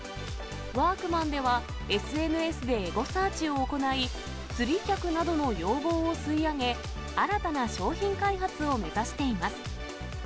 ワークマンでは、ＳＮＳでエゴサーチを行い、釣り客などの要望を吸い上げ、新たな商品開発を目指しています。